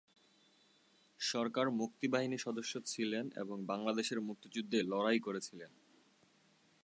সরকার মুক্তি বাহিনীর সদস্য ছিলেন এবং বাংলাদেশের মুক্তিযুদ্ধে লড়াই করেছিলেন।